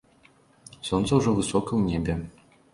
Сонца ўжо высока ў небе.